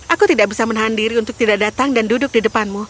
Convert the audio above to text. aku tidak bisa berada di sini untuk tidak datang dan duduk di depanmu